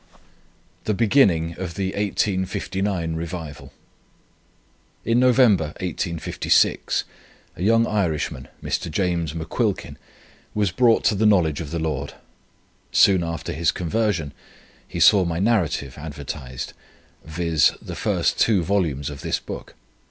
THE BEGINNING OF THE 1859 REVIVAL. "In November, 1856, a young Irishman, Mr. James McQuilkin, was brought to the knowledge of the Lord. Soon after his conversion he saw my Narrative advertised, viz.: the first two volumes of this book.